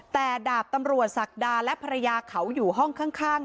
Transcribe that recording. แต่ดาบตำรวจศักดาและภรรยาเขาอยู่ห้องข้าง